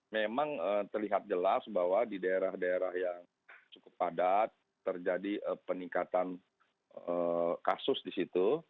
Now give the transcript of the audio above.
memang terlihat jelas bahwa di daerah daerah yang cukup padat terjadi peningkatan kasus di situ